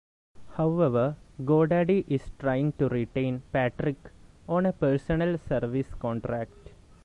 However, GoDaddy is trying to retain Patrick on a personal service contract.